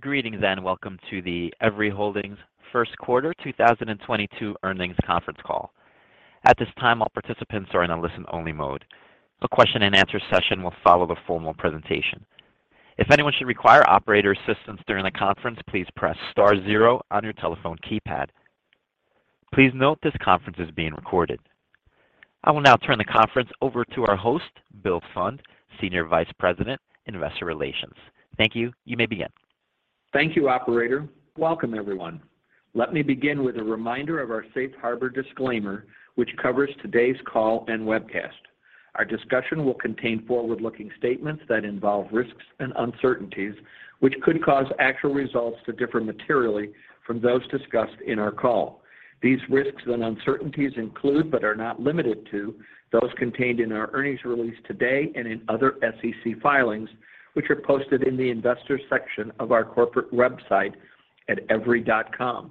Greetings, and Welcome to the Everi Holdings Q1 2022 Earnings Conference Call. At this time, all participants are in a listen-only mode. A question-and-answer session will follow the formal presentation. If anyone should require operator assistance during the conference, please press star zero on your telephone keypad. Please note this conference is being recorded. I will now turn the conference over to our host, Bill Pfund, Senior Vice President, Investor Relations. Thank you. You may begin. Thank you, operator. Welcome, everyone. Let me begin with a reminder of our safe harbor disclaimer, which covers today's call and webcast. Our discussion will contain forward-looking statements that involve risks and uncertainties, which could cause actual results to differ materially from those discussed in our call. These risks and uncertainties include, but are not limited to, those contained in our earnings release today and in other SEC filings, which are posted in the investor section of our corporate website at everi.com.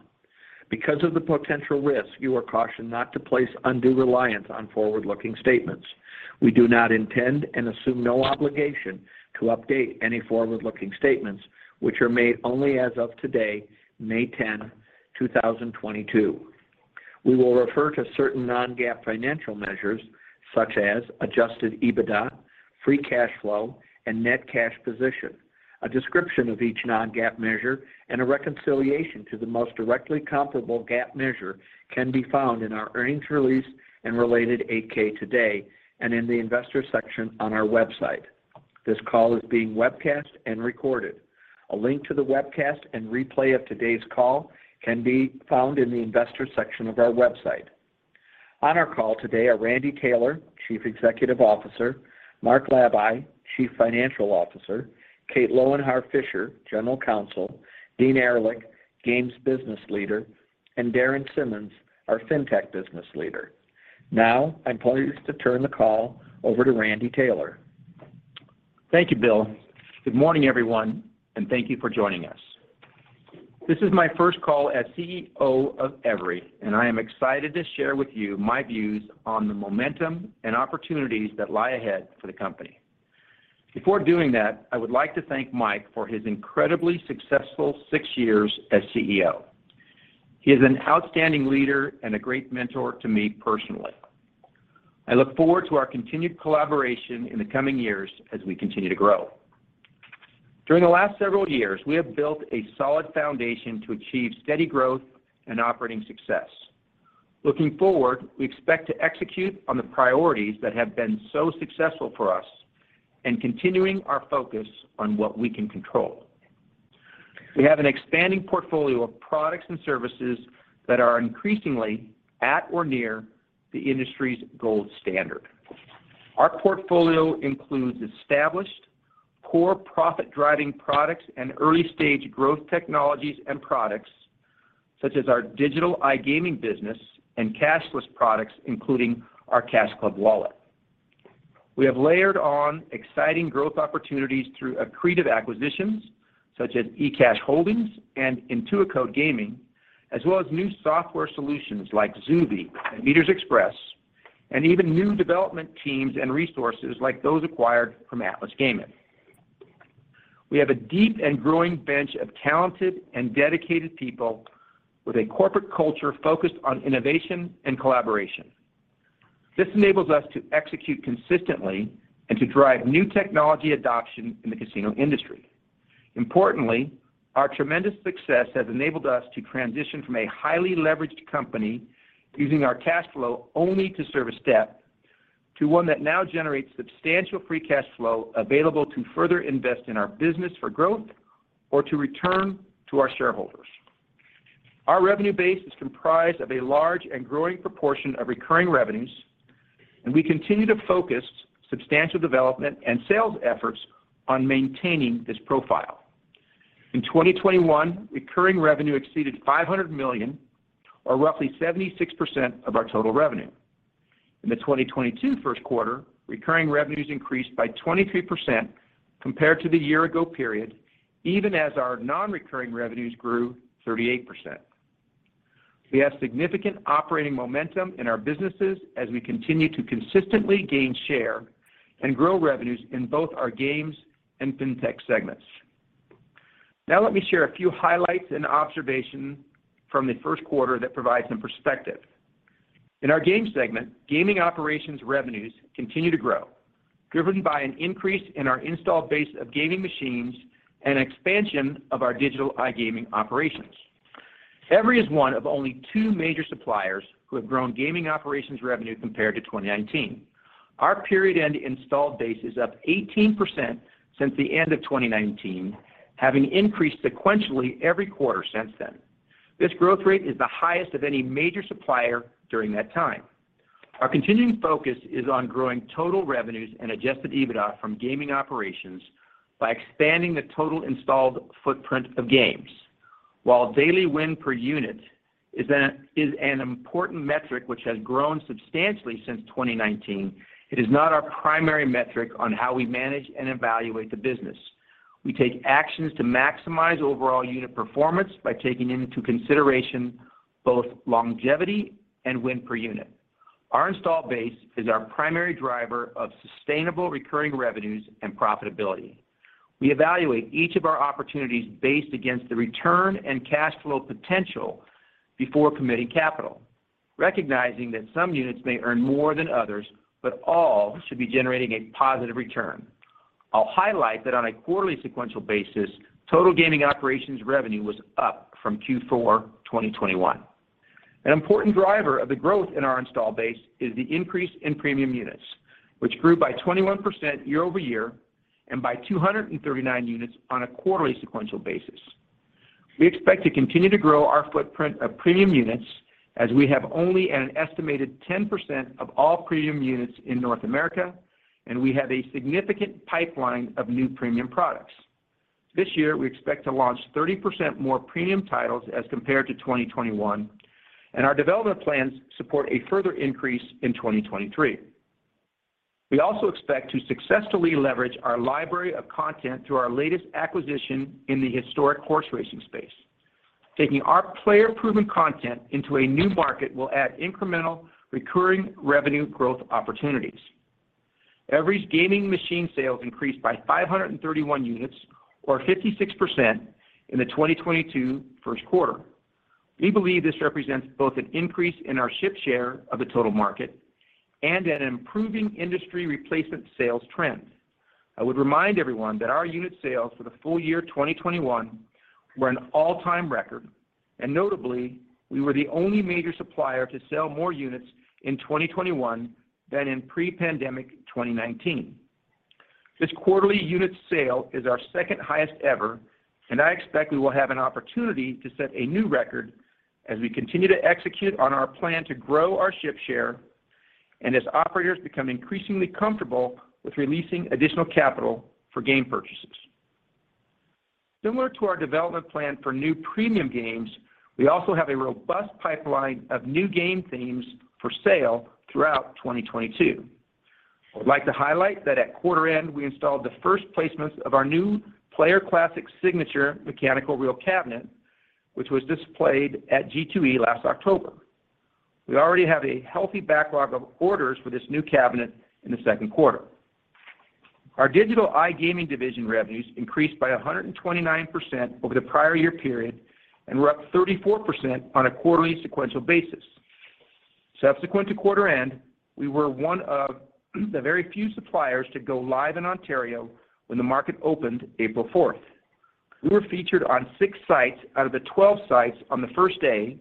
Because of the potential risks, you are cautioned not to place undue reliance on forward-looking statements. We do not intend and assume no obligation to update any forward-looking statements, which are made only as of today, May ten, two thousand twenty-two. We will refer to certain non-GAAP financial measures such as Adjusted EBITDA, Free Cash Flow, and net cash position. A description of each non-GAAP measure and a reconciliation to the most directly comparable GAAP measure can be found in our earnings release and related 8-K today, and in the investor section on our website. This call is being webcast and recorded. A link to the webcast and replay of today's call can be found in the investor section of our website. On our call today are Randy Taylor, Chief Executive Officer, Mark Labay, Chief Financial Officer, Kate Lowenhar-Fisher, General Counsel, Dean Ehrlich, Games Business Leader, and Darren Simmons, our Fintech Business Leader. Now I'm pleased to turn the call over to Randy Taylor. Thank you, Bill. Good morning, everyone, and thank you for joining us. This is my first call as CEO of Everi, and I am excited to share with you my views on the momentum and opportunities that lie ahead for the company. Before doing that, I would like to thank Mike for his incredibly successful six years as CEO. He is an outstanding leader and a great mentor to me personally. I look forward to our continued collaboration in the coming years as we continue to grow. During the last several years, we have built a solid foundation to achieve steady growth and operating success. Looking forward, we expect to execute on the priorities that have been so successful for us and continuing our focus on what we can control. We have an expanding portfolio of products and services that are increasingly at or near the industry's gold standard. Our portfolio includes established core profit-driving products and early-stage growth technologies and products, such as our digital iGaming business and cashless products, including our CashClub Wallet. We have layered on exciting growth opportunities through accretive acquisitions such as ecash Holdings and Intuicode Gaming, as well as new software solutions like XUVI and Meters Express, and even new development teams and resources like those acquired from Atlas Gaming. We have a deep and growing bench of talented and dedicated people with a corporate culture focused on innovation and collaboration. This enables us to execute consistently and to drive new technology adoption in the casino industry. Importantly, our tremendous success has enabled us to transition from a highly leveraged company using our cash flow only to service debt to one that now generates substantial Free Cash Flow available to further invest in our business for growth or to return to our shareholders. Our revenue base is comprised of a large and growing proportion of recurring revenues, and we continue to focus substantial development and sales efforts on maintaining this profile. In 2021, recurring revenue exceeded $500 million or roughly 76% of our total revenue. In the 2022 Q1, recurring revenues increased by 23% compared to the year ago period, even as our non-recurring revenues grew 38%. We have significant operating momentum in our businesses as we continue to consistently gain share and grow revenues in both our Games and FinTech segments. Now let me share a few highlights and observations from the Q1 that provide some perspective. In our Games segment, gaming operations revenues continue to grow, driven by an increase in our installed base of gaming machines and expansion of our digital iGaming operations. Everi is one of only two major suppliers who have grown gaming operations revenue compared to 2019. Our period-end installed base is up 18% since the end of 2019, having increased sequentially every quarter since then. This growth rate is the highest of any major supplier during that time. Our continuing focus is on growing total revenues and Adjusted EBITDA from gaming operations by expanding the total installed footprint of games. While daily win per unit is an important metric which has grown substantially since 2019, it is not our primary metric on how we manage and evaluate the business. We take actions to maximize overall unit performance by taking into consideration both longevity and win per unit. Our install base is our primary driver of sustainable recurring revenues and profitability. We evaluate each of our opportunities based against the return and cash flow potential before committing capital, recognizing that some units may earn more than others, but all should be generating a positive return. I'll highlight that on a quarterly sequential basis, total gaming operations revenue was up from Q4 2021. An important driver of the growth in our install base is the increase in premium units, which grew by 21% year-over-year and by 239 units on a quarterly sequential basis. We expect to continue to grow our footprint of premium units as we have only an estimated 10% of all premium units in North America, and we have a significant pipeline of new premium products. This year, we expect to launch 30% more premium titles as compared to 2021, and our development plans support a further increase in 2023. We also expect to successfully leverage our library of content through our latest acquisition in the historic horse racing space. Taking our player-proven content into a new market will add incremental recurring revenue growth opportunities. Everi gaming machine sales increased by 531 units or 56% in the 2022 Q1. We believe this represents both an increase in our ship share of the total market and an improving industry replacement sales trend. I would remind everyone that our unit sales for the full year 2021 were an all-time record, and notably, we were the only major supplier to sell more units in 2021 than in pre-pandemic 2019. This quarterly unit sale is our second-highest ever, and I expect we will have an opportunity to set a new record as we continue to execute on our plan to grow our ship share and as operators become increasingly comfortable with releasing additional capital for game purchases. Similar to our development plan for new premium games, we also have a robust pipeline of new game themes for sale throughout 2022. I would like to highlight that at quarter end, we installed the first placements of our new Player Classic Signature mechanical reel cabinet, which was displayed at G2E last October. We already have a healthy backlog of orders for this new cabinet in the Q2. Our digital iGaming division revenues increased by 129% over the prior year period and were up 34% on a quarterly sequential basis. Subsequent to quarter end, we were one of the very few suppliers to go live in Ontario when the market opened April fourth. We were featured on six sites out of the 12 sites on the first day,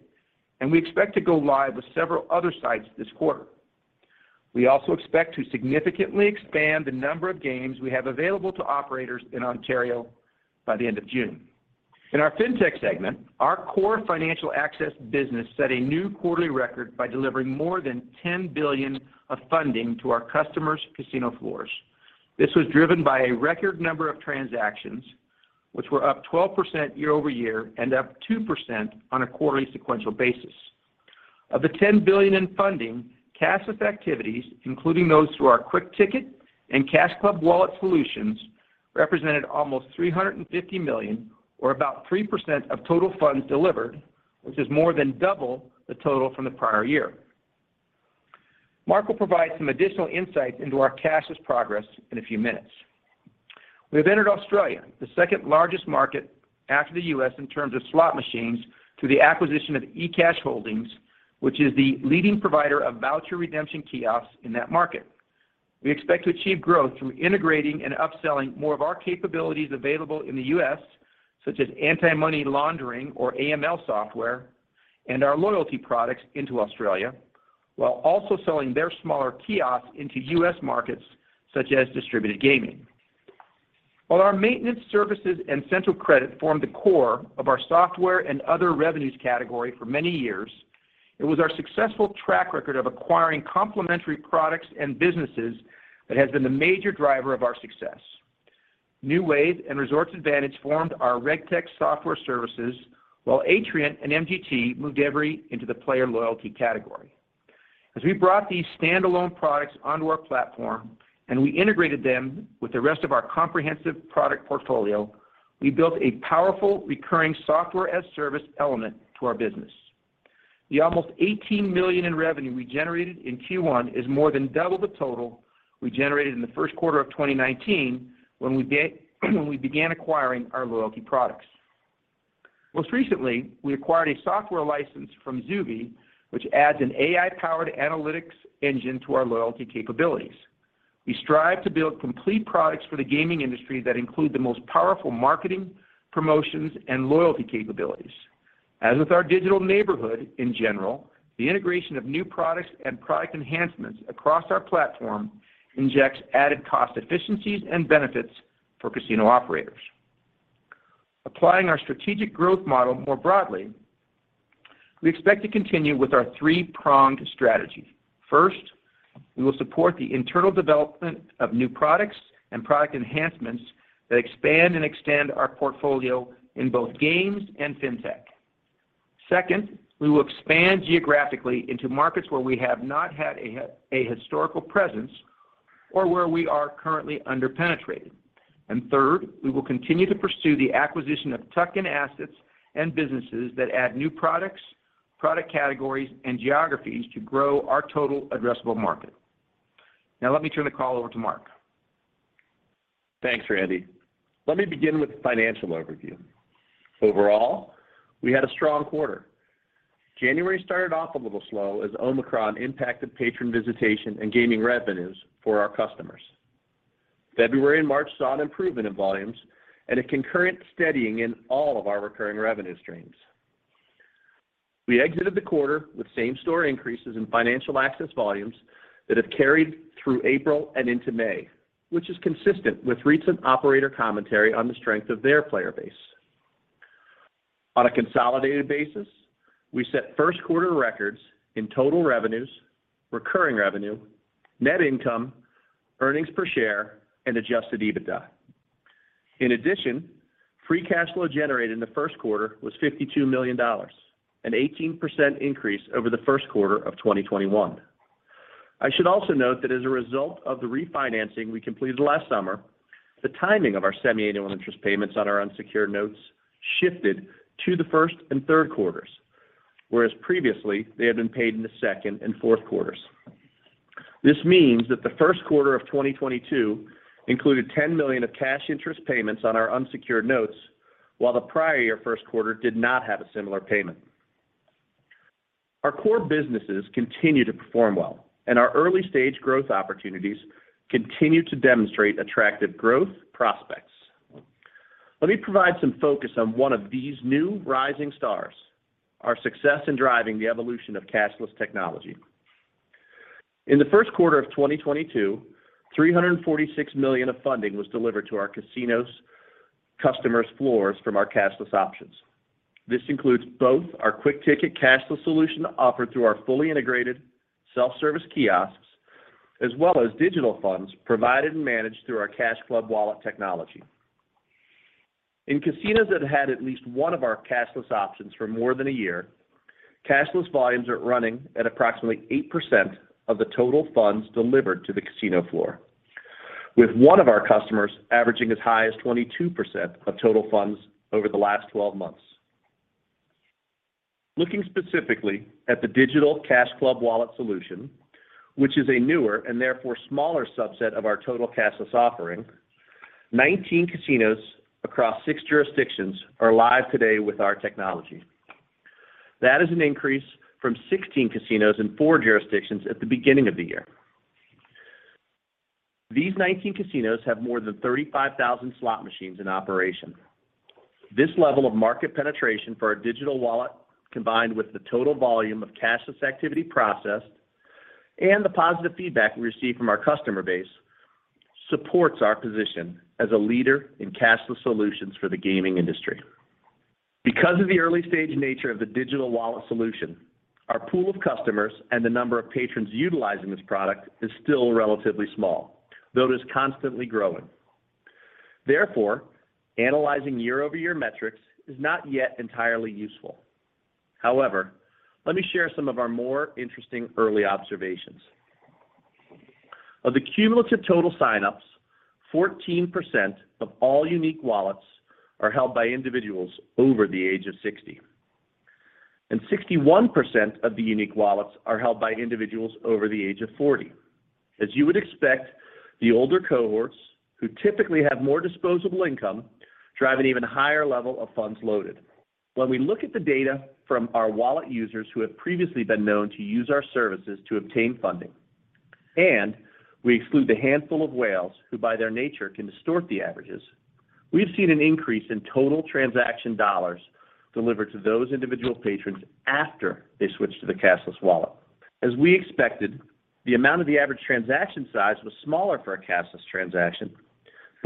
and we expect to go live with several other sites this quarter. We also expect to significantly expand the number of games we have available to operators in Ontario by the end of June. In our FinTech segment, our core financial access business set a new quarterly record by delivering more than $10 billion of funding to our customers' casino floors. This was driven by a record number of transactions, which were up 12% year-over-year and up 2% on a quarterly sequential basis. Of the $10 billion in funding, cashless activities, including those through our QuikTicket and CashClub Wallet solutions, represented almost $350 million or about 3% of total funds delivered, which is more than double the total from the prior year. Marco will provide some additional insight into our cashless progress in a few minutes. We have entered Australia, the second largest market after the U.S. in terms of slot machines, through the acquisition of ecash Holdings Pty Ltd, which is the leading provider of voucher redemption kiosks in that market. We expect to achieve growth through integrating and upselling more of our capabilities available in the U.S., such as anti-money laundering or AML software, and our loyalty products into Australia, while also selling their smaller kiosks into U.S. markets such as distributed gaming. While our maintenance services and CentralCredit formed the core of our software and other revenues category for many years, it was our successful track record of acquiring complementary products and businesses that has been the major driver of our success. NEWave and Resort Advantage formed our RegTech software services, while Atrient and MGT moved Everi into the player loyalty category. As we brought these stand-alone products onto our platform and we integrated them with the rest of our comprehensive product portfolio, we built a powerful recurring software as a service element to our business. The almost $18 million in revenue we generated in Q1 is more than double the total we generated in the Q1 of 2019 when we began acquiring our loyalty products. Most recently, we acquired a software license from XUVI, which adds an AI-powered analytics engine to our loyalty capabilities. We strive to build complete products for the gaming industry that include the most powerful marketing, promotions, and loyalty capabilities. As with our Digital Neighborhood in general, the integration of new products and product enhancements across our platform injects added cost efficiencies and benefits for casino operators. Applying our strategic growth model more broadly, we expect to continue with our three-pronged strategy. First, we will support the internal development of new products and product enhancements that expand and extend our portfolio in both games and FinTech. Second, we will expand geographically into markets where we have not had a historical presence or where we are currently under-penetrated. Third, we will continue to pursue the acquisition of tuck-in assets and businesses that add new products, product categories, and geographies to grow our total addressable market. Now let me turn the call over to Mark. Thanks, Randy. Let me begin with the financial overview. Overall, we had a strong quarter. January started off a little slow as Omicron impacted patron visitation and gaming revenues for our customers. February and March saw an improvement in volumes and a concurrent steadying in all of our recurring revenue streams. We exited the quarter with same-store increases in financial access volumes that have carried through April and into May, which is consistent with recent operator commentary on the strength of their player base. On a consolidated basis, we set Q1 records in total revenues, recurring revenue, net income, earnings per share, and Adjusted EBITDA. In addition, Free Cash Flow generated in the Q1 was $52 million, an 18% increase over the Q1 of 2021. I should also note that as a result of the refinancing we completed last summer, the timing of our semiannual interest payments on our unsecured notes shifted to the Q1 and Q3. Whereas previously, they had been paid in the Q2 and Q4. This means that the Q1 of 2022 included $10 million of cash interest payments on our unsecured notes, while the prior year Q1 did not have a similar payment. Our core businesses continue to perform well, and our early-stage growth opportunities continue to demonstrate attractive growth prospects. Let me provide some focus on one of these new rising stars, our success in driving the evolution of cashless technology. In the Q1 of 2022, $346 million of funding was delivered to our casinos customers' floors from our cashless options. This includes both our QuikTicket cashless solution offered through our fully integrated self-service kiosks, as well as digital funds provided and managed through our CashClub Wallet technology. In casinos that had at least one of our cashless options for more than a year, cashless volumes are running at approximately 8% of the total funds delivered to the casino floor, with one of our customers averaging as high as 22% of total funds over the last 12 months. Looking specifically at the digital CashClub Wallet solution, which is a newer and therefore smaller subset of our total cashless offering, 19 casinos across six jurisdictions are live today with our technology. That is an increase from 16 casinos in four jurisdictions at the beginning of the year. These 19 casinos have more than 35,000 slot machines in operation. This level of market penetration for our digital wallet, combined with the total volume of cashless activity processed and the positive feedback we receive from our customer base, supports our position as a leader in cashless solutions for the gaming industry. Because of the early-stage nature of the digital wallet solution, our pool of customers and the number of patrons utilizing this product is still relatively small, though it is constantly growing. Therefore, analyzing year-over-year metrics is not yet entirely useful. However, let me share some of our more interesting early observations. Of the cumulative total sign-ups, 14% of all unique wallets are held by individuals over the age of 60, and 61% of the unique wallets are held by individuals over the age of 40. As you would expect, the older cohorts, who typically have more disposable income, drive an even higher level of funds loaded. When we look at the data from our wallet users who have previously been known to use our services to obtain funding, and we exclude the handful of whales who, by their nature, can distort the averages, we've seen an increase in total transaction dollars delivered to those individual patrons after they switch to the cashless wallet. As we expected, the amount of the average transaction size was smaller for a cashless transaction,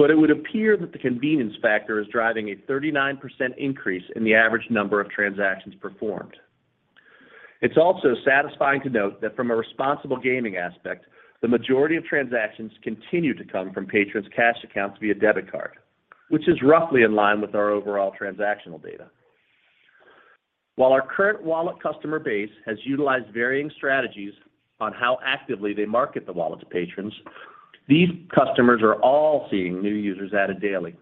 but it would appear that the convenience factor is driving a 39% increase in the average number of transactions performed. It's also satisfying to note that from a responsible gaming aspect, the majority of transactions continue to come from patrons' cash accounts via debit card, which is roughly in line with our overall transactional data. While our current wallet customer base has utilized varying strategies on how actively they market the wallet to patrons, these customers are all seeing new users added daily.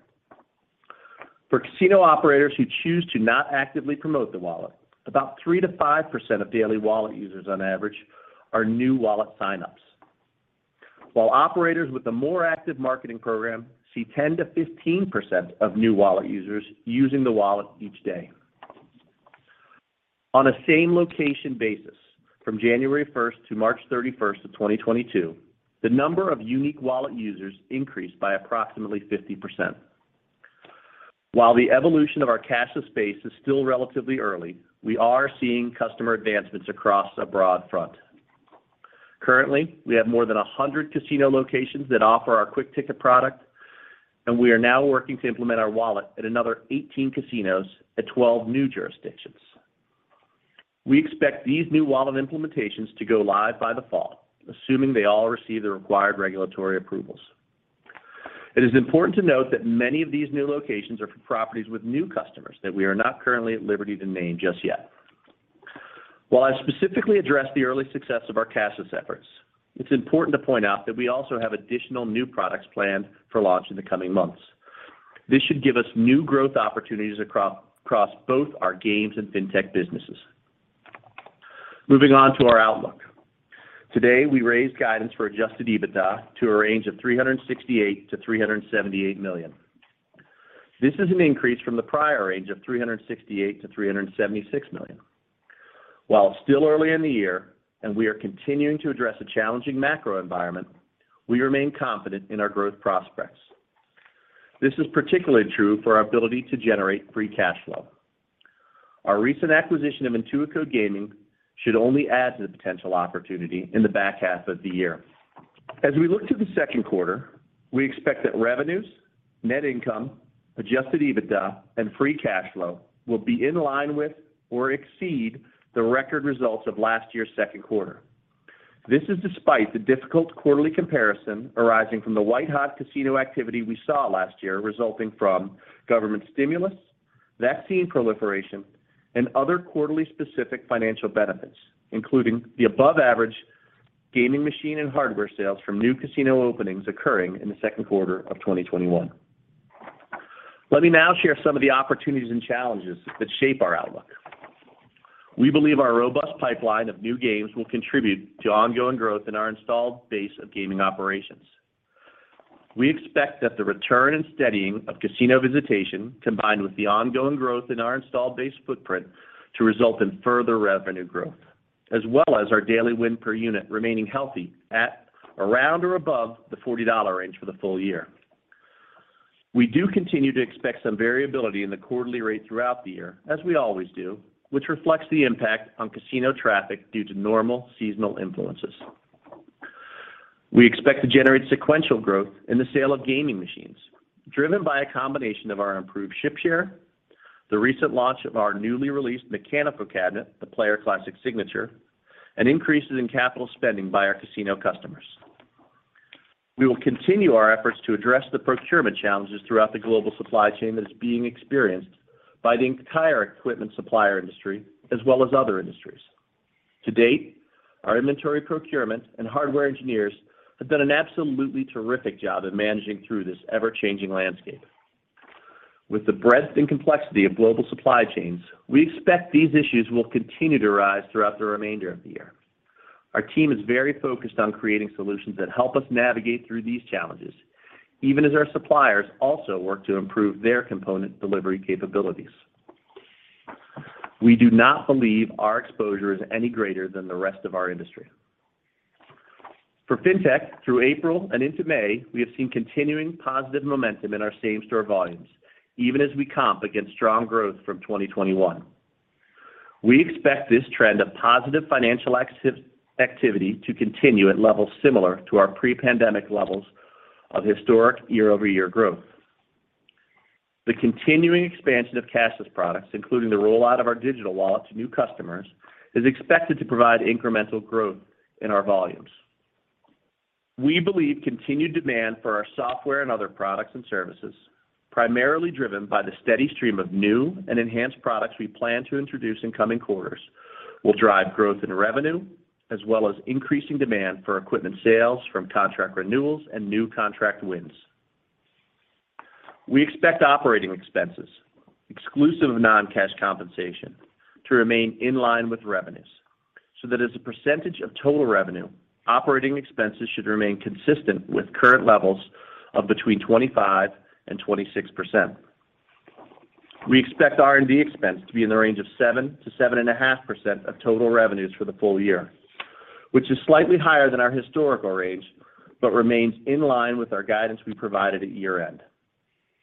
For casino operators who choose to not actively promote the wallet, about 3%-5% of daily wallet users on average are new wallet sign-ups. While operators with a more active marketing program see 10%-15% of new wallet users using the wallet each day. On a same-location basis from January 1 to March 31, 2022, the number of unique wallet users increased by approximately 50%. While the evolution of our cashless space is still relatively early, we are seeing customer advancements across a broad front. Currently, we have more than 100 casino locations that offer our QuikTicket product, and we are now working to implement our wallet at another 18 casinos at 12 new jurisdictions. We expect these new wallet implementations to go live by the fall, assuming they all receive the required regulatory approvals. It is important to note that many of these new locations are for properties with new customers that we are not currently at liberty to name just yet. While I specifically addressed the early success of our cashless efforts, it's important to point out that we also have additional new products planned for launch in the coming months. This should give us new growth opportunities across both our games and FinTech businesses. Moving on to our outlook. Today, we raised guidance for Adjusted EBITDA to a range of $368 million-$378 million. This is an increase from the prior range of $368 million-$376 million. While it's still early in the year and we are continuing to address a challenging macro environment, we remain confident in our growth prospects. This is particularly true for our ability to generate Free Cash Flow. Our recent acquisition of Intuicode Gaming should only add to the potential opportunity in the back half of the year. As we look to the Q2, we expect that revenues, net income, Adjusted EBITDA, and Free Cash Flow will be in line with or exceed the record results of last year's Q2. This is despite the difficult quarterly comparison arising from the white-hot casino activity we saw last year, resulting from government stimulus, vaccine proliferation, and other quarterly specific financial benefits, including the above average gaming machine and hardware sales from new casino openings occurring in the Q2 of 2021. Let me now share some of the opportunities and challenges that shape our outlook. We believe our robust pipeline of new games will contribute to ongoing growth in our installed base of gaming operations. We expect that the return and steadying of casino visitation, combined with the ongoing growth in our installed base footprint to result in further revenue growth, as well as our daily win per unit remaining healthy at around or above the $40 range for the full year. We do continue to expect some variability in the quarterly rate throughout the year, as we always do, which reflects the impact on casino traffic due to normal seasonal influences. We expect to generate sequential growth in the sale of gaming machines, driven by a combination of our improved ship share, the recent launch of our newly released mechanical cabinet, the Player Classic Signature, and increases in capital spending by our casino customers. We will continue our efforts to address the procurement challenges throughout the global supply chain that is being experienced by the entire equipment supplier industry as well as other industries. To date, our inventory procurement and hardware engineers have done an absolutely terrific job in managing through this ever-changing landscape. With the breadth and complexity of global supply chains, we expect these issues will continue to arise throughout the remainder of the year. Our team is very focused on creating solutions that help us navigate through these challenges, even as our suppliers also work to improve their component delivery capabilities. We do not believe our exposure is any greater than the rest of our industry. For fintech, through April and into May, we have seen continuing positive momentum in our same-store volumes, even as we comp against strong growth from 2021. We expect this trend of positive financial activity to continue at levels similar to our pre-pandemic levels of historic year-over-year growth. The continuing expansion of cashless products, including the rollout of our digital wallet to new customers, is expected to provide incremental growth in our volumes. We believe continued demand for our software and other products and services, primarily driven by the steady stream of new and enhanced products we plan to introduce in coming quarters, will drive growth in revenue as well as increasing demand for equipment sales from contract renewals and new contract wins. We expect operating expenses, exclusive of non-cash compensation, to remain in line with revenues, so that as a percentage of total revenue, operating expenses should remain consistent with current levels of between 25% and 26%. We expect R&D expense to be in the range of 7% to 7.5% of total revenues for the full year, which is slightly higher than our historical range, but remains in line with our guidance we provided at year-end.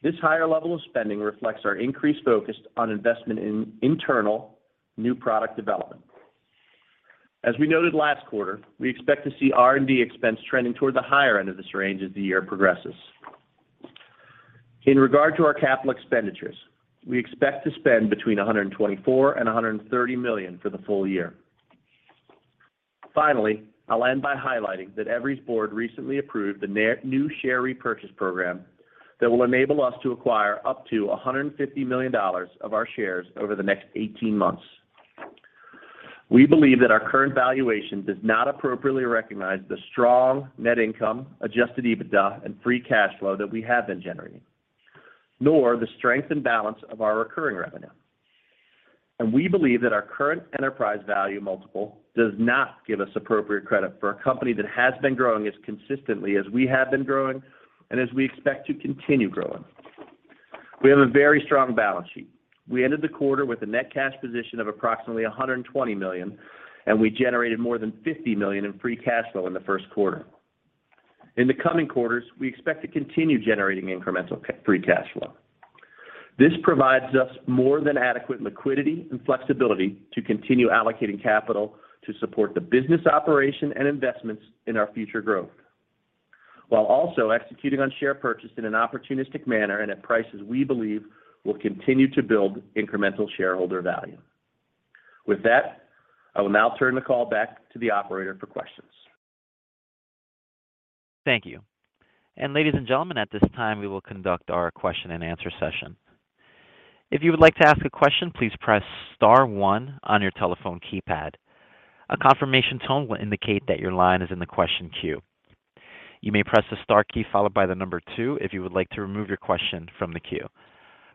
This higher level of spending reflects our increased focus on investment in internal new product development. As we noted last quarter, we expect to see R&D expense trending toward the higher end of this range as the year progresses. In regard to our capital expenditures, we expect to spend between $124 million and $130 million for the full year. Finally, I'll end by highlighting that Everi's board recently approved the new share repurchase program that will enable us to acquire up to $150 million of our shares over the next 18 months. We believe that our current valuation does not appropriately recognize the strong net income, Adjusted EBITDA and Free Cash Flow that we have been generating, nor the strength and balance of our recurring revenue. We believe that our current enterprise value multiple does not give us appropriate credit for a company that has been growing as consistently as we have been growing and as we expect to continue growing. We have a very strong balance sheet. We ended the quarter with a net cash position of approximately $120 million, and we generated more than $50 million in Free Cash Flow in the Q1. In the coming quarters, we expect to continue generating incremental Free Cash Flow. This provides us more than adequate liquidity and flexibility to continue allocating capital to support the business operation and investments in our future growth, while also executing on share purchase in an opportunistic manner and at prices we believe will continue to build incremental shareholder value. With that, I will now turn the call back to the operator for questions. Thank you. Ladies and gentlemen, at this time, we will conduct our question and answer session. If you would like to ask a question, please press star one on your telephone keypad. A confirmation tone will indicate that your line is in the question queue. You may press the star key followed by the number two if you would like to remove your question from the queue.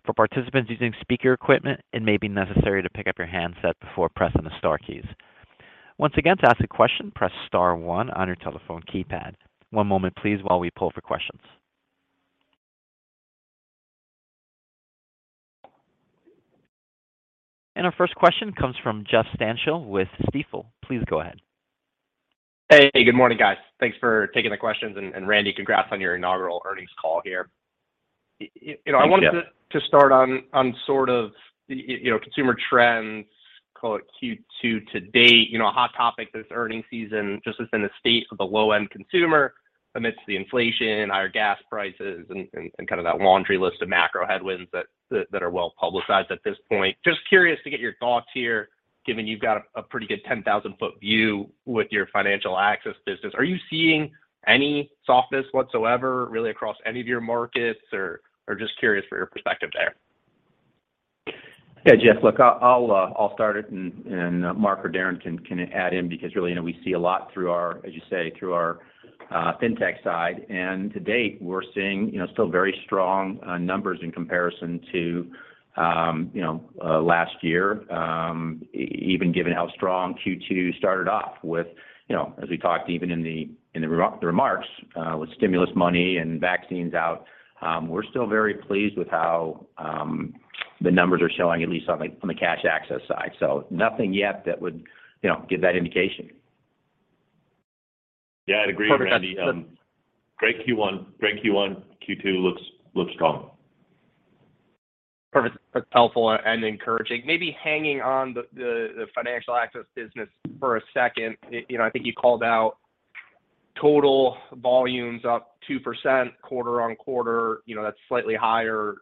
For participants using speaker equipment, it may be necessary to pick up your handset before pressing the star keys. Once again, to ask a question, press star one on your telephone keypad. One moment please while we pull for questions. Our first question comes from Jeff Stantial with Stifel. Please go ahead. Hey, good morning, guys. Thanks for taking the questions. Randy, congrats on your inaugural earnings call here. Thank you. You know, I wanted to start on sort of you know, consumer trends, call it Q2 to date. You know, a hot topic this earnings season, just as in the state of the low-end consumer amidst the inflation, higher gas prices and kind of that laundry list of macro headwinds that are well publicized at this point. Just curious to get your thoughts here, given you've got a pretty good 10,000-foot view with your financial access business. Are you seeing any softness whatsoever really across any of your markets or just curious for your perspective there? Yeah, Jeff, look, I'll start it and Mark or Darren can add in because really, you know, we see a lot through our, as you say, through our, FinTech side. To date, we're seeing, you know, still very strong, numbers in comparison to, you know, last year, even given how strong Q2 started off with, you know, as we talked even in the earnings remarks, with stimulus money and vaccines out. We're still very pleased with how, the numbers are showing at least on the cash access side. Nothing yet that would, you know, give that indication. Yeah, I'd agree, Randy. Great Q1. Q2 looks strong. Perfect. That's helpful and encouraging. Maybe hanging on the financial access business for a second. You know, I think you called out total volumes up 2% quarter-on-quarter. You know, that's slightly higher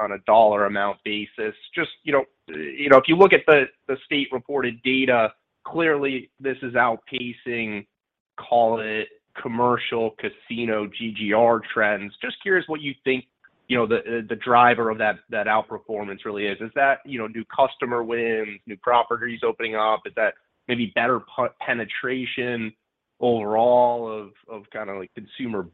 on a dollar amount basis. Just, you know, if you look at the state reported data, clearly this is outpacing, call it commercial casino GGR trends. Just curious what you think, you know, the driver of that outperformance really is. Is that, you know, new customer wins, new properties opening up? Is that maybe better penetration overall of kinda like consumer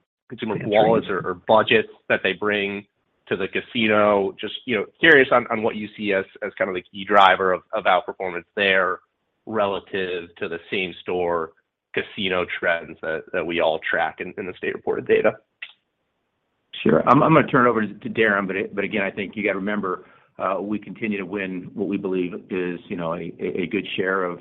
wallets or budgets that they bring to the casino? Just, you know, curious on what you see as kind of the key driver of outperformance there relative to the same store casino trends that we all track in the state reported data? Sure. I'm gonna turn it over to Darren, but again, I think you got to remember, we continue to win what we believe is, you know, a good share of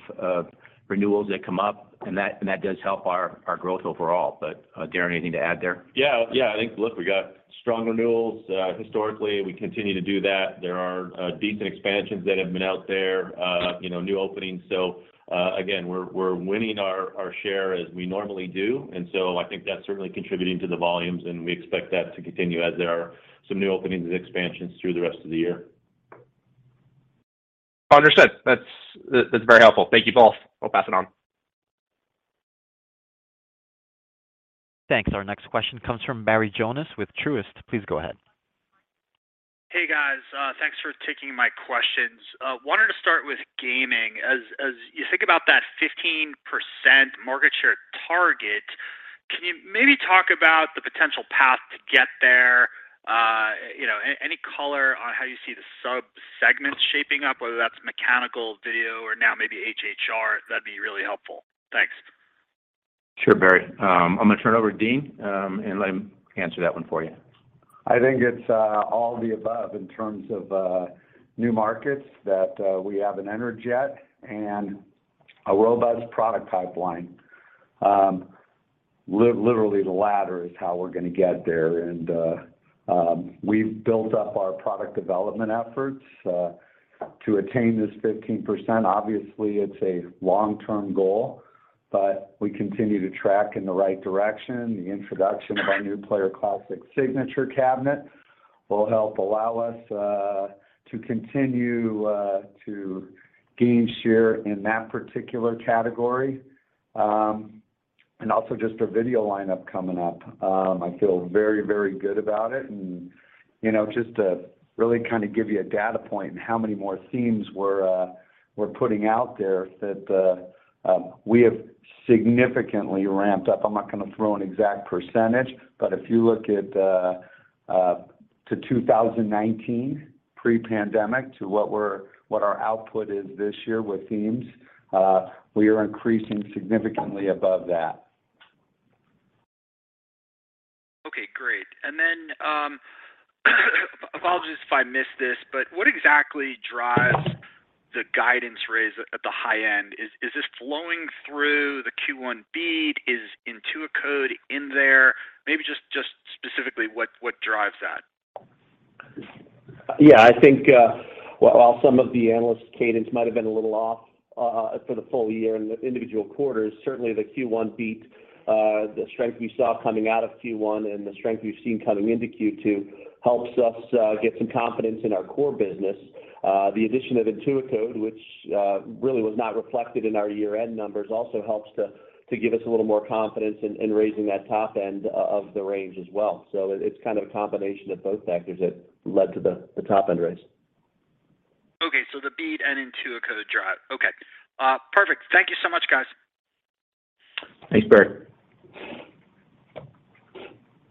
renewals that come up, and that does help our growth overall. Darren, anything to add there? Yeah. Yeah. I think, look, we got strong renewals. Historically, we continue to do that. There are decent expansions that have been out there, you know, new openings. So, again, we're winning our share as we normally do. I think that's certainly contributing to the volumes, and we expect that to continue as there are some new openings and expansions through the rest of the year. Understood. That's very helpful. Thank you both. I'll pass it on. Thanks. Our next question comes from Barry Jonas with Truist. Please go ahead. Hey, guys. Thanks for taking my questions. Wanted to start with gaming. As you think about that 15% market share target, can you maybe talk about the potential path to get there? You know, any color on how you see the sub-segments shaping up, whether that's mechanical, video, or now maybe HHR? That'd be really helpful. Thanks. Sure, Barry. I'm gonna turn it over to Dean, and let him answer that one for you. I think it's all the above in terms of new markets that we have in HHR and a robust product pipeline. Literally, the latter is how we're gonna get there. We've built up our product development efforts to attain this 15%. Obviously, it's a long-term goal, but we continue to track in the right direction. The introduction of our new Player Classic Signature cabinet will help allow us to continue to gain share in that particular category. And also just our video lineup coming up. I feel very, very good about it. You know, just to really kind of give you a data point in how many more themes we're putting out there that we have significantly ramped up. I'm not gonna throw an exact percentage, but if you look at to 2019 pre-pandemic to what our output is this year with themes, we are increasing significantly above that. Okay, great. Apologies if I missed this, but what exactly drives the guidance raise at the high end? Is this flowing through the Q1 beat? Is Intuicode Gaming in there? Maybe just specifically what drives that? Yeah. I think. Well, while some of the analyst cadence might have been a little off for the full year in the individual quarters, certainly the Q1 beat, the strength we saw coming out of Q1 and the strength we've seen coming into Q2 helps us get some confidence in our core business. The addition of Intuicode Gaming, which really was not reflected in our year-end numbers, also helps to give us a little more confidence in raising that top end of the range as well. It's kind of a combination of both factors that led to the top-end raise. Okay. The beat and Intuicode Gaming drive. Okay. Perfect. Thank you so much, guys. Thanks, Barry.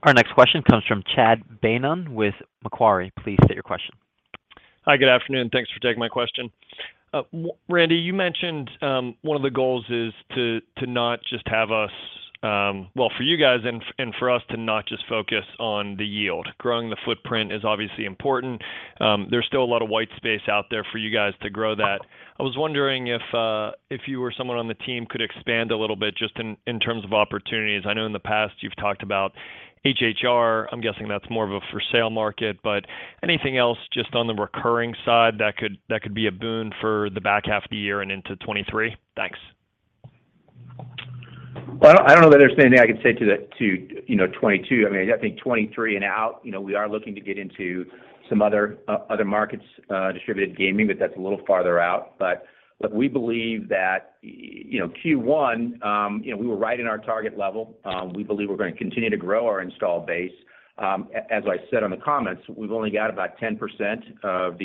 Our next question comes from Chad Beynon with Macquarie. Please state your question. Hi, good afternoon. Thanks for taking my question. Randy, you mentioned one of the goals is to not just have us. Well, for you guys and for us to not just focus on the yield. Growing the footprint is obviously important, there's still a lot of white space out there for you guys to grow that. I was wondering if you or someone on the team could expand a little bit just in terms of opportunities. I know in the past you've talked about HHR. I'm guessing that's more of a for sale market, but anything else just on the recurring side that could be a boon for the back half of the year and into 2023? Thanks. Well, I don't know that there's anything I can say to that, you know, 2022. I mean, I think 2023 and out, you know, we are looking to get into some other markets, distributed gaming, but that's a little farther out. But we believe that, you know, Q1, we were right in our target level. We believe we're gonna continue to grow our install base. As I said on the comments, we've only got about 10% of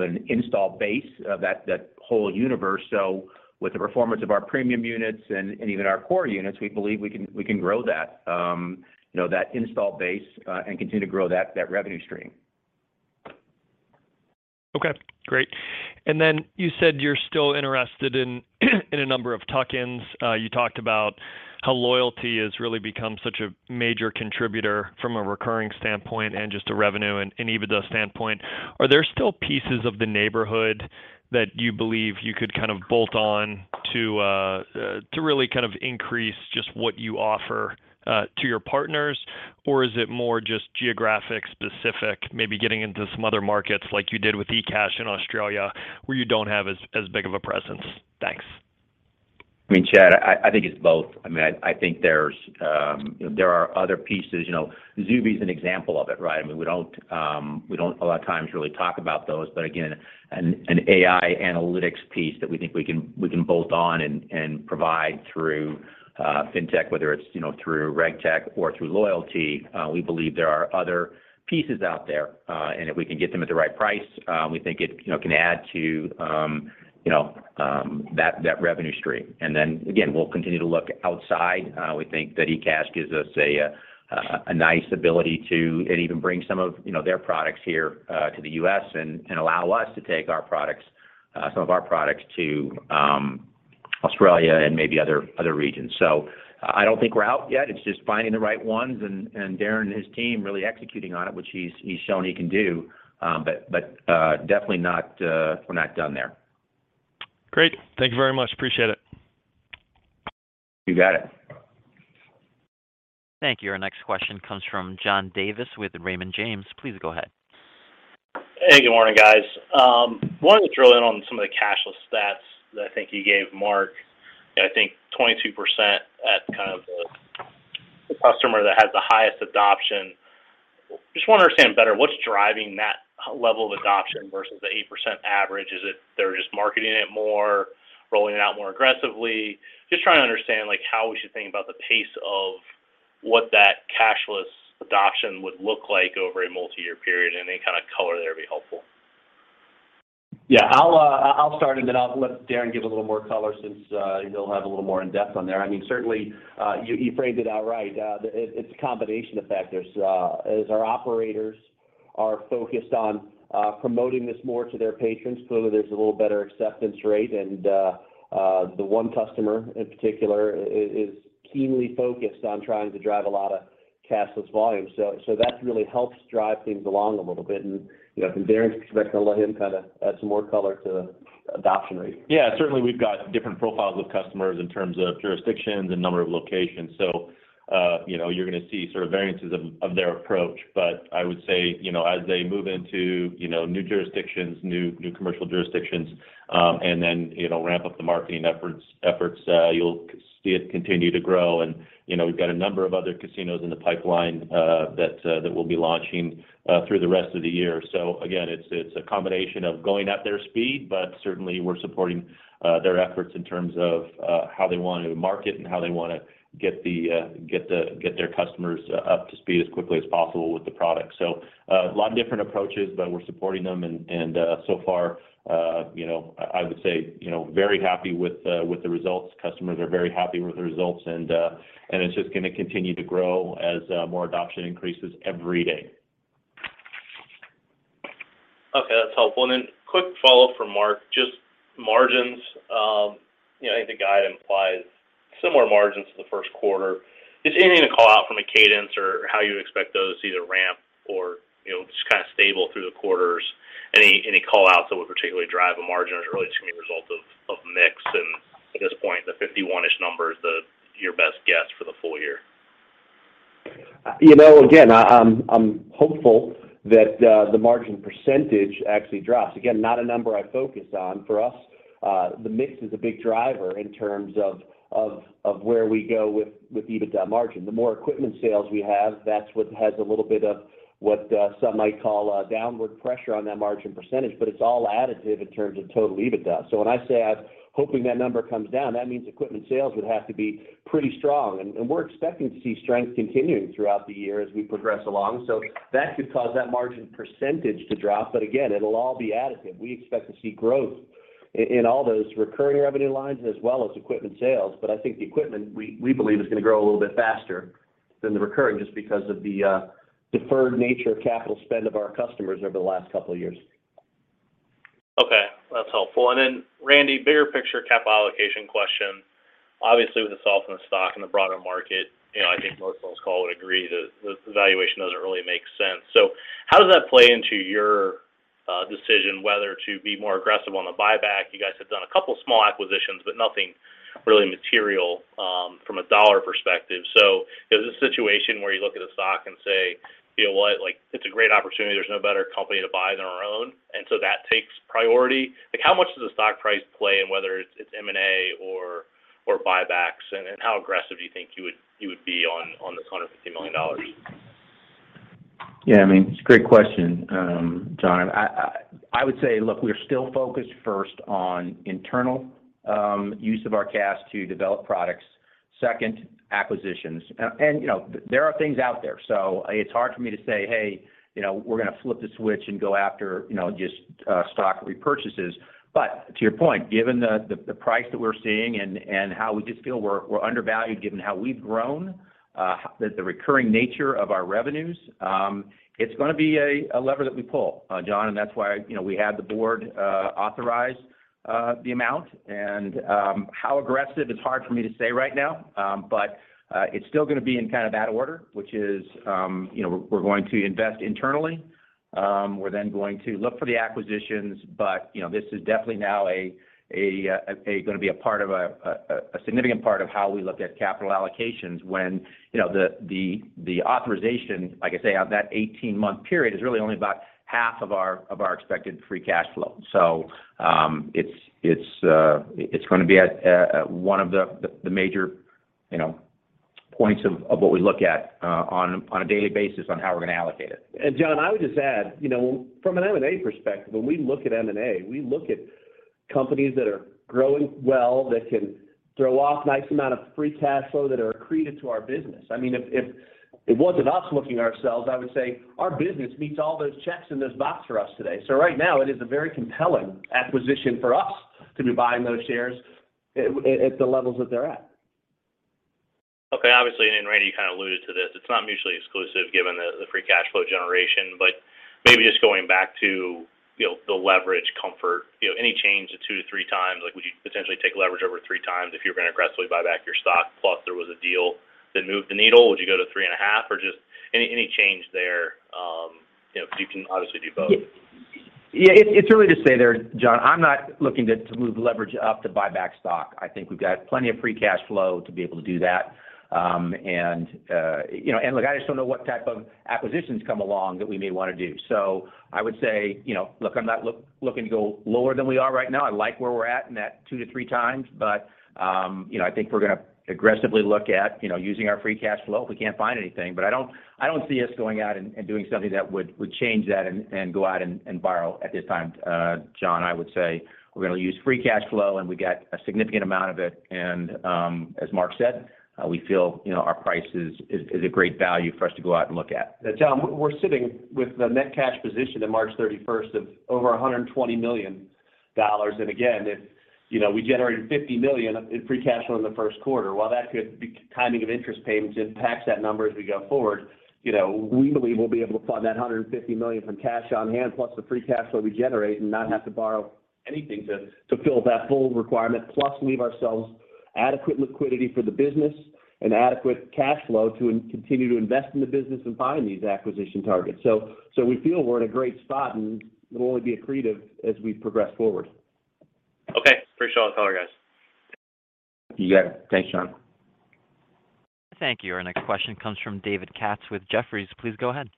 an install base of that whole universe. So with the performance of our premium units and even our core units, we believe we can grow that install base, you know, and continue to grow that revenue stream. Okay, great. Then you said you're still interested in a number of tuck-ins. You talked about how loyalty has really become such a major contributor from a recurring standpoint and just a revenue and EBITDA standpoint. Are there still pieces of the neighborhood that you believe you could kind of bolt on to to really kind of increase just what you offer to your partners? Or is it more just geographically specific, maybe getting into some other markets like you did with ecash in Australia, where you don't have as big of a presence? Thanks. I mean, Chad, I think it's both. I mean, I think there are other pieces, you know. XUVI is an example of it, right? I mean, we don't a lot of times really talk about those, but again, an AI analytics piece that we think we can bolt on and provide through FinTech, whether it's, you know, through RegTech or through loyalty, we believe there are other pieces out there. And if we can get them at the right price, we think it, you know, can add to that revenue stream. Again, we'll continue to look outside. We think that ecash gives us a nice ability to and even bring some of, you know, their products here to the U.S. and allow us to take our products, some of our products to Australia and maybe other regions. I don't think we're out yet. It's just finding the right ones and Darren and his team really executing on it, which he's shown he can do, but definitely not. We're not done there. Great. Thank you very much. Appreciate it. You got it. Thank you. Our next question comes from John Davis with Raymond James. Please go ahead. Hey, good morning, guys. Wanted to drill in on some of the cashless stats that I think you gave Mark. I think 22% at kind of the customer that has the highest adoption. Just wanna understand better what's driving that level of adoption versus the 8% average. Is it they're just marketing it more, rolling it out more aggressively? Just trying to understand, like, how we should think about the pace of what that cashless adoption would look like over a multi-year period. Any kind of color there would be helpful. Yeah, I'll start and then I'll let Darren give a little more color since he'll have a little more in-depth on there. I mean, certainly, you framed it out right. It's a combination effect. There's as our operators are focused on promoting this more to their patrons, clearly there's a little better acceptance rate. The one customer in particular is keenly focused on trying to drive a lot of cashless volume. That really helps drive things along a little bit. You know, I'm gonna let him kinda add some more color to adoption rate. Yeah, certainly we've got different profiles of customers in terms of jurisdictions and number of locations. You know, you're gonna see sort of variances of their approach. I would say, you know, as they move into, you know, new jurisdictions, new commercial jurisdictions, and then, you know, ramp up the marketing efforts, you'll see it continue to grow. You know, we've got a number of other casinos in the pipeline, that we'll be launching, through the rest of the year. Again, it's a combination of going at their speed, but certainly we're supporting, their efforts in terms of, how they wanna market and how they wanna get their customers up to speed as quickly as possible with the product. A lot of different approaches, but we're supporting them. You know, I would say, you know, very happy with the results. Customers are very happy with the results. It's just gonna continue to grow as more adoption increases every day. Okay, that's helpful. Quick follow up from Mark. Just margins, you know, I think the guide implies similar margins to the Q1. Is anything to call out from a cadence or how you expect those to either ramp or, you know, just kind of stable through the quarters? Any call outs that would particularly drive a margin or is it really just gonna be a result of mix? At this point, the 51-ish number is your best guess for the full year? You know, again, I'm hopeful that the margin percentage actually drops. Again, not a number I focus on. For us, the mix is a big driver in terms of where we go with EBITDA margin. The more equipment sales we have, that's what has a little bit of what some might call downward pressure on that margin percentage, but it's all additive in terms of total EBITDA. When I say I'm hoping that number comes down, that means equipment sales would have to be pretty strong. We're expecting to see strength continuing throughout the year as we progress along. That could cause that margin percentage to drop, but again, it'll all be additive. We expect to see growth in all those recurring revenue lines as well as equipment sales. I think the equipment, we believe, is gonna grow a little bit faster than the recurring, just because of the deferred nature of capital spend of our customers over the last couple of years. Okay, that's helpful. Then Randy, bigger picture capital allocation question. Obviously, with the softness in stocks in the broader market, you know, I think most of us all would agree that the valuation doesn't really make sense. How does that play into your decision whether to be more aggressive on the buyback? You guys have done a couple small acquisitions, but nothing really material from a dollar perspective. Is this a situation where you look at a stock and say, "You know what? Like, it's a great opportunity. There's no better company to buy than our own," and so that takes priority? Like, how much does the stock price play in whether it's M&A or buybacks, and how aggressive do you think you would be on this $150 million? Yeah, I mean, it's a great question, John. I would say, look, we're still focused first on internal use of our cash to develop products. Second, acquisitions. You know, there are things out there, so it's hard for me to say, "Hey, you know, we're gonna flip the switch and go after, you know, just stock repurchases." To your point, given the price that we're seeing and how we just feel we're undervalued given how we've grown, the recurring nature of our revenues, it's gonna be a lever that we pull, John, and that's why, you know, we had the board authorize the amount. How aggressive, it's hard for me to say right now. It's still gonna be in kind of that order, which is, you know, we're going to invest internally. We're then going to look for the acquisitions, you know, this is definitely now gonna be a significant part of how we look at capital allocations when, you know, the authorization, like I say, on that 18-month period is really only about half of our expected Free Cash Flow. It's gonna be at one of the major, you know, points of what we look at on a daily basis on how we're gonna allocate it. John, I would just add, you know, from an M&A perspective, when we look at M&A, we look at companies that are growing well, that can throw off nice amount of Free Cash Flow that are accretive to our business. I mean, if it wasn't us looking ourselves, I would say our business meets all those checks in this box for us today. Right now, it is a very compelling acquisition for us to be buying those shares at the levels that they're at. Okay. Obviously, Randy, you kind of alluded to this. It's not mutually exclusive given the Free Cash Flow generation, but maybe just going back to, you know, the leverage comfort. You know, any change to 2x-3x, like would you potentially take leverage over 3x if you were gonna aggressively buy back your stock, plus there was a deal that moved the needle? Would you go to 3.5x Or just any change there? You know, because you can obviously do both. Yeah. It's early to say there, John. I'm not looking to move the leverage up to buy back stock. I think we've got plenty of Free Cash Flow to be able to do that. You know, look, I just don't know what type of acquisitions come along that we may wanna do. I would say, you know, look, I'm not looking to go lower than we are right now. I like where we're at in that 2x-3x. You know, I think we're gonna aggressively look at, you know, using our Free Cash Flow if we can't find anything. I don't see us going out and doing something that would change that and go out and borrow at this time, John. I would say we're gonna use Free Cash Flow, and we got a significant amount of it. As Mark said, we feel, you know, our price is a great value for us to go out and look at. John, we're sitting with the net cash position of March 31st of over $120 million. Again, if you know, we generated $50 million in Free Cash Flow in the Q1, while that could be timing of interest payments impact that number as we go forward, you know, we believe we'll be able to fund that $150 million from cash on hand plus the Free Cash Flow we generate and not have to borrow anything to fill that full requirement, plus leave ourselves adequate liquidity for the business and adequate cash flow to continue to invest in the business and find these acquisition targets. So we feel we're in a great spot, and it'll only be accretive as we progress forward. Okay. Appreciate all the color, guys. You got it. Thanks, John. Thank you. Our next question comes from David Katz with Jefferies. Please go ahead.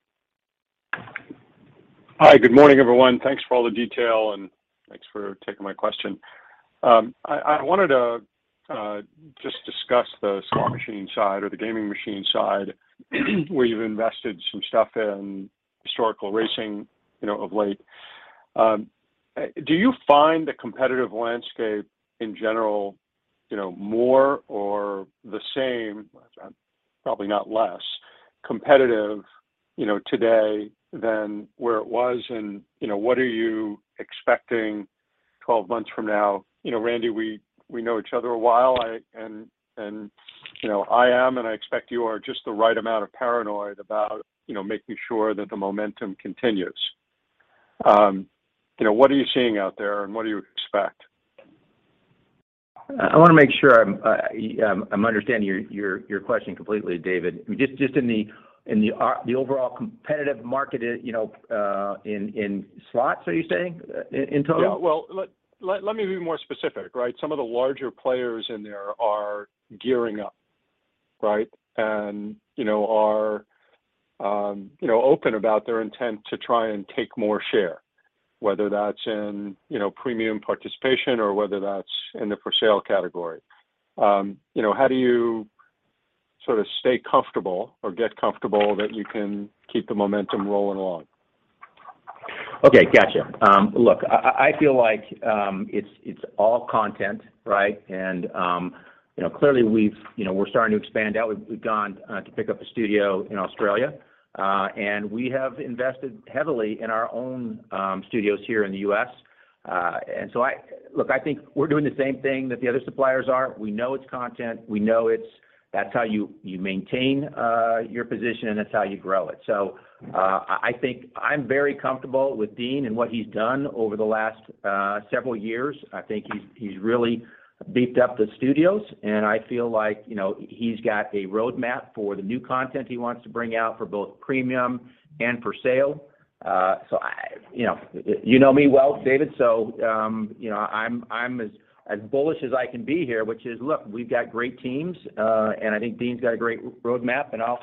Hi, good morning, everyone. Thanks for all the detail, and thanks for taking my question. I wanted to just discuss the slot machine side or the gaming machine side where you've invested some stuff in historical racing, you know, of late. Do you find the competitive landscape in general, you know, more or the same, probably not less, competitive, you know, today than where it was? You know, what are you expecting 12 months from now? You know, Randy, we know each other a while. I am, and I expect you are, just the right amount of paranoid about, you know, making sure that the momentum continues. You know, what are you seeing out there, and what do you expect? I wanna make sure I'm understanding your question completely, David. Just in the overall competitive market, in slots, are you saying in total? Yeah. Well, let me be more specific, right? Some of the larger players in there are gearing up, right? You know, are you know open about their intent to try and take more share, whether that's in, you know, premium participation or whether that's in the for sale category. You know, how do you sort of stay comfortable or get comfortable that you can keep the momentum rolling along? Okay. Gotcha. Look, I feel like it's all content, right? You know, clearly we're starting to expand out. We've gone to pick up a studio in Australia, and we have invested heavily in our own studios here in the U.S. Look, I think we're doing the same thing that the other suppliers are. We know it's content. We know that's how you maintain your position, and that's how you grow it. I think I'm very comfortable with Dean and what he's done over the last several years. I think he's really beefed up the studios, and I feel like, you know, he's got a roadmap for the new content he wants to bring out for both premium and for sale. You know me well, David, so you know, I'm as bullish as I can be here, which is, look, we've got great teams, and I think Dean's got a great roadmap, and I'll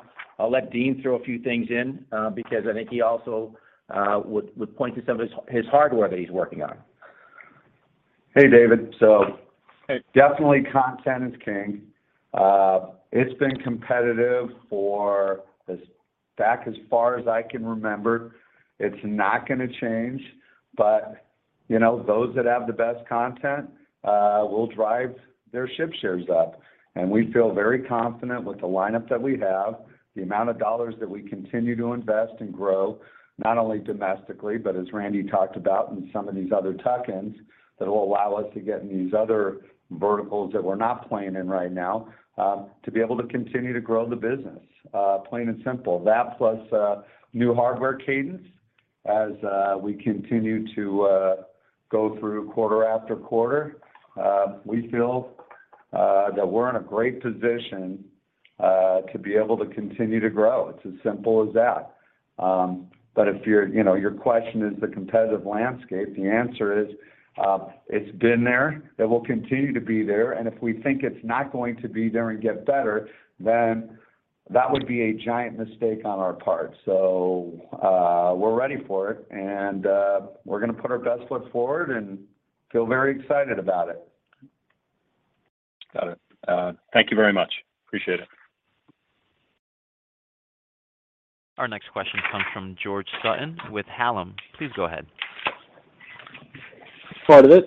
let Dean throw a few things in, because I think he also would point to some of his hardware that he's working on. Hey, David. Hey Definitely, content is king. It's been competitive for as far back as I can remember. It's not gonna change, but you know, those that have the best content will drive their market share up. We feel very confident with the lineup that we have, the amount of dollars that we continue to invest and grow, not only domestically, but as Randy talked about in some of these other tuck-ins that will allow us to get in these other verticals that we're not playing in right now, to be able to continue to grow the business, plain and simple. That plus new hardware cadence as we continue to go through quarter-after-quarter. We feel that we're in a great position to be able to continue to grow. It's as simple as that. If your, you know, your question is the competitive landscape, the answer is, it's been there, it will continue to be there, and if we think it's not going to be there and get better, then that would be a giant mistake on our part. We're ready for it, and we're gonna put our best foot forward and feel very excited about it. Got it. Thank you very much. Appreciate it. Our next question comes from George Sutton with Craig-Hallum. Please go ahead. Part of it.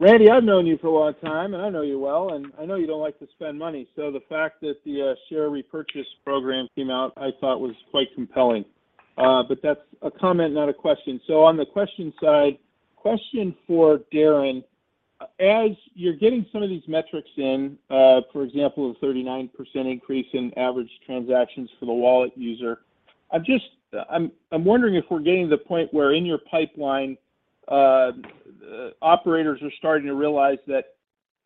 Randy, I've known you for a long time, and I know you well, and I know you don't like to spend money. The fact that the share repurchase program came out, I thought was quite compelling. But that's a comment, not a question. On the question side, question for Darren. As you're getting some of these metrics in, for example, a 39% increase in average transactions for the wallet user, I'm wondering if we're getting to the point where in your pipeline, operators are starting to realize that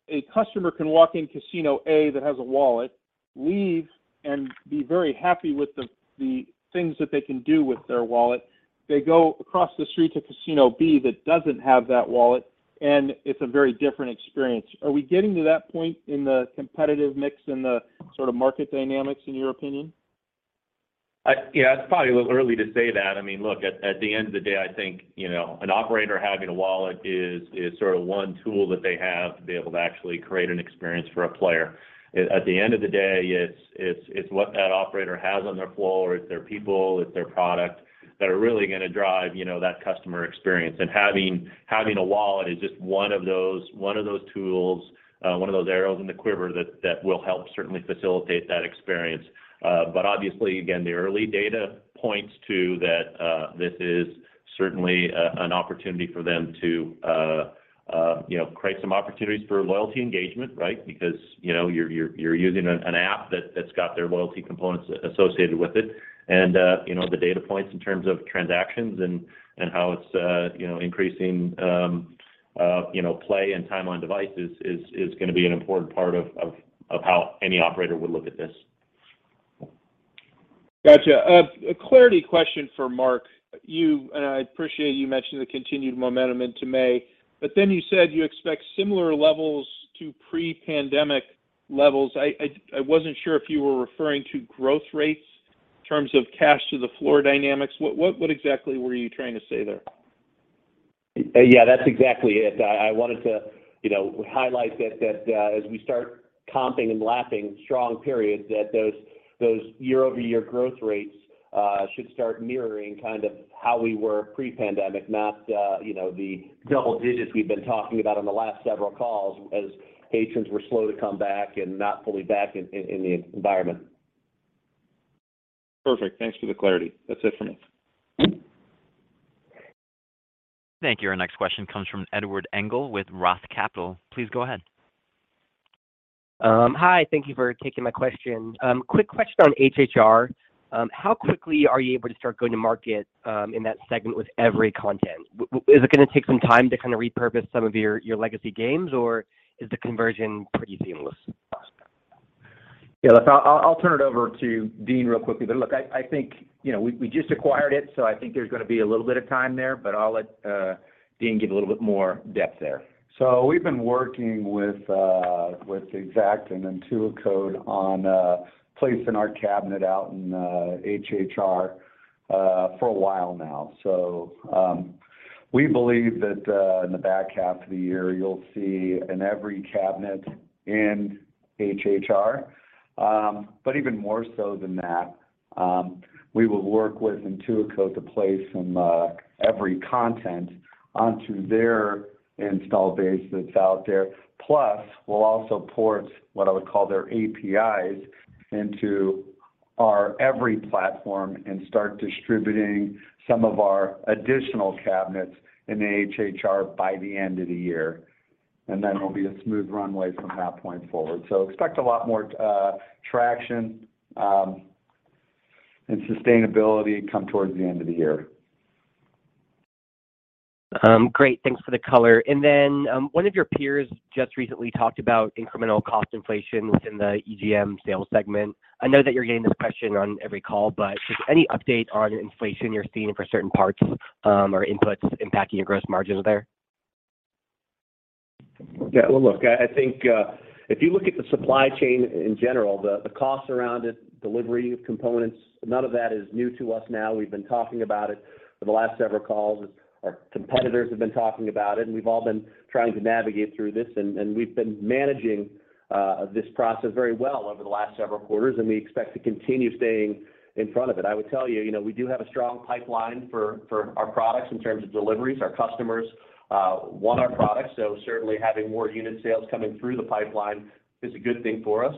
a customer can walk in casino A that has a wallet, leave and be very happy with the things that they can do with their wallet. They go across the street to casino B that doesn't have that wallet, and it's a very different experience. Are we getting to that point in the competitive mix and the sort of market dynamics in your opinion? Yeah, it's probably a little early to say that. I mean, look, at the end of the day, I think, you know, an operator having a wallet is sort of one tool that they have to be able to actually create an experience for a player. At the end of the day, it's what that operator has on their floor. It's their people, it's their product that are really gonna drive, you know, that customer experience. Having a wallet is just one of those tools, one of those arrows in the quiver that will help certainly facilitate that experience. But obviously, again, the early data points to that, this is certainly an opportunity for them to, you know, create some opportunities for loyalty engagement, right? Because, you know, you're using an app that's got their loyalty components associated with it. You know, the data points in terms of transactions and how it's increasing play and time on devices is gonna be an important part of how any operator would look at this. Gotcha. A clarity question for Mark. I appreciate you mentioning the continued momentum into May, but then you said you expect similar levels to pre-pandemic levels. I wasn't sure if you were referring to growth rates in terms of cash to the floor dynamics. What exactly were you trying to say there? Yeah, that's exactly it. I wanted to, you know, highlight that as we start comping and lapping strong periods, those year-over-year growth rates should start mirroring kind of how we were pre-pandemic, not, you know, the double digits we've been talking about on the last several calls as patrons were slow to come back and not fully back in the environment. Perfect. Thanks for the clarity. That's it for me. Thank you. Our next question comes from Edward Engel with Roth Capital Partners. Please go ahead. Hi. Thank you for taking my question. Quick question on HHR. How quickly are you able to start going to market, in that segment with Everi Content? Is it gonna take some time to kind of repurpose some of your legacy games, or is the conversion pretty seamless? Yeah, look, I'll turn it over to Dean real quickly. Look, I think, you know, we just acquired it, so I think there's gonna be a little bit of time there, but I'll let Dean give a little bit more depth there. We've been working with Exacta and Intuicode on placing our cabinet out in HHR for a while now. We believe that in the back half of the year, you'll see an Everi cabinet in HHR. But even more so than that, we will work with Intuicode to place some Everi content onto their installed base that's out there. Plus, we'll also port what I would call their APIs into our Everi platform and start distributing some of our additional cabinets in the HHR by the end of the year. And then it'll be a smooth runway from that point forward. Expect a lot more traction and sustainability come towards the end of the year. Great. Thanks for the color. One of your peers just recently talked about incremental cost inflation within the EGM sales segment. I know that you're getting this question on every call, but just any update on inflation you're seeing for certain parts, or inputs impacting your gross margins there? Yeah. Well, look, I think if you look at the supply chain in general, the cost around it, delivery of components, none of that is new to us now. We've been talking about it for the last several calls. Our competitors have been talking about it, and we've all been trying to navigate through this and we've been managing this process very well over the last several quarters, and we expect to continue staying in front of it. I would tell you know, we do have a strong pipeline for our products in terms of deliveries. Our customers want our products, so certainly having more unit sales coming through the pipeline is a good thing for us.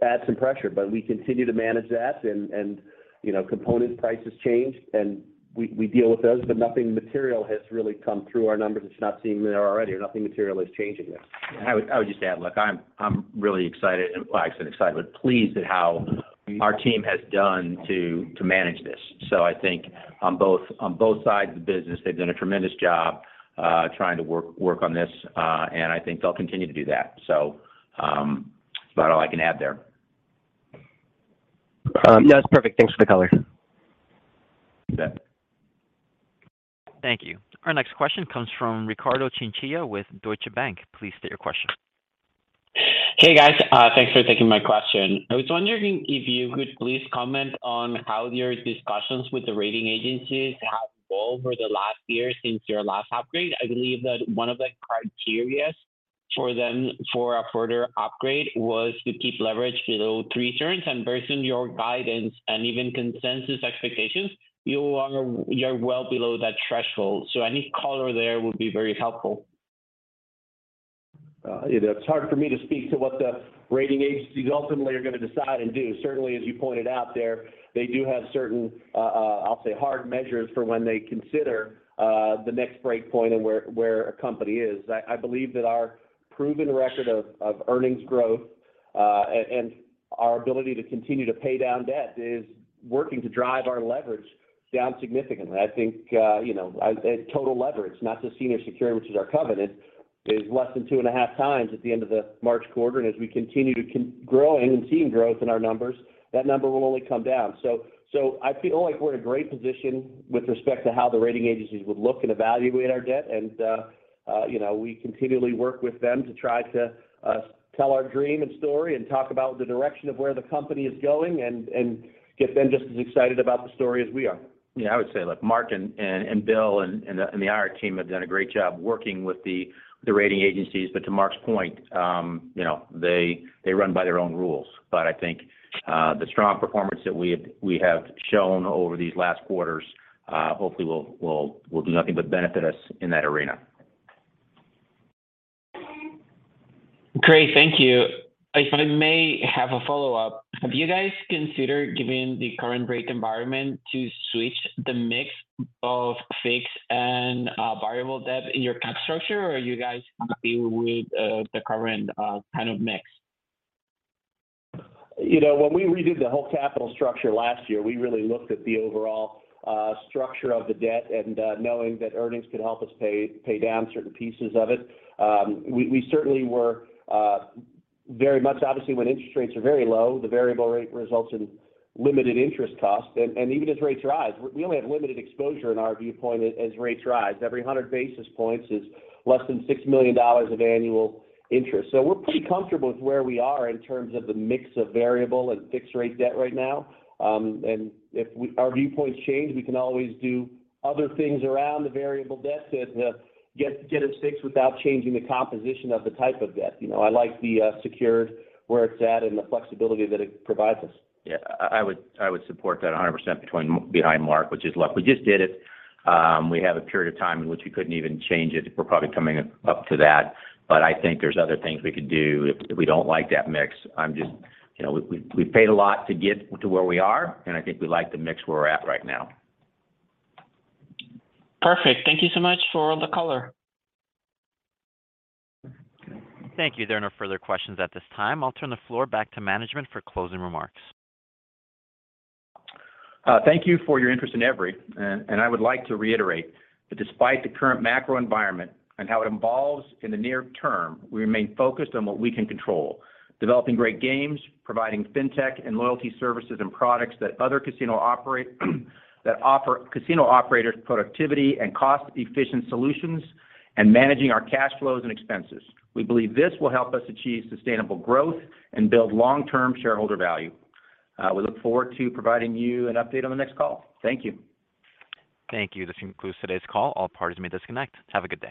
Adds some pressure, but we continue to manage that and, you know, component prices change and we deal with those, but nothing material has really come through our numbers. It's not sitting there already, or nothing material is changing there. I would just add, look, I'm really excited. Well, I say excited, pleased at how our team has done to manage this. I think on both sides of the business, they've done a tremendous job, trying to work on this, and I think they'll continue to do that. That's about all I can add there. That's perfect. Thanks for the color. You bet. Thank you. Our next question comes from Ricardo Chinchilla with Deutsche Bank. Please state your question. Hey, guys. Thanks for taking my question. I was wondering if you could please comment on how your discussions with the rating agencies have evolved over the last year since your last upgrade. I believe that one of the criteria for them for a further upgrade was to keep leverage below three turns, and based on your guidance and even consensus expectations, you are well below that threshold. Any color there would be very helpful. You know, it's hard for me to speak to what the rating agencies ultimately are gonna decide and do. Certainly, as you pointed out there, they do have certain, I'll say hard measures for when they consider the next break point and where a company is. I believe that our proven record of earnings growth and our ability to continue to pay down debt is working to drive our leverage down significantly. I think, you know, total leverage, not just senior secured, which is our covenant, is less than 2.5x at the end of the March quarter. As we continue to grow and seeing growth in our numbers, that number will only come down. I feel like we're in a great position with respect to how the rating agencies would look and evaluate our debt and, you know, we continually work with them to try to tell our story and talk about the direction of where the company is going and get them just as excited about the story as we are. Yeah, I would say, look, Mark and Bill and the IR team have done a great job working with the rating agencies. To Mark's point, you know, they run by their own rules. I think the strong performance that we have shown over these last quarters hopefully will do nothing but benefit us in that arena. Great. Thank you. If I may have a follow-up. Have you guys considered, given the current rate environment, to switch the mix of fixed and variable debt in your cap structure, or are you guys happy with the current kind of mix? You know, when we redid the whole capital structure last year, we really looked at the overall structure of the debt and knowing that earnings could help us pay down certain pieces of it. Obviously, when interest rates are very low, the variable rate results in limited interest costs. Even as rates rise, we only have limited exposure in our viewpoint as rates rise. Every 100 basis points is less than $6 million of annual interest. We're pretty comfortable with where we are in terms of the mix of variable and fixed rate debt right now. If our viewpoints change, we can always do other things around the variable debt to get it fixed without changing the composition of the type of debt. You know, I like the secured where it's at and the flexibility that it provides us. Yeah. I would support that 100% behind Mark, which is look, we just did it. We have a period of time in which we couldn't even change it. We're probably coming up to that, but I think there's other things we could do if we don't like that mix. I'm just, you know, we've paid a lot to get to where we are, and I think we like the mix where we're at right now. Perfect. Thank you so much for the color. Thank you. There are no further questions at this time. I'll turn the floor back to management for closing remarks. Thank you for your interest in Everi. I would like to reiterate that despite the current macro environment and how it evolves in the near term, we remain focused on what we can control: developing great games, providing FinTech and loyalty services and products that offer casino operators productivity and cost-efficient solutions, and managing our cash flows and expenses. We believe this will help us achieve sustainable growth and build long-term shareholder value. We look forward to providing you an update on the next call. Thank you. Thank you. This concludes today's call. All parties may disconnect. Have a good day.